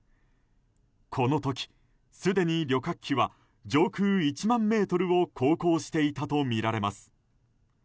この時、すでに旅客機は上空１万ｍを航行していたとみられます。